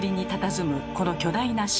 この巨大な神殿。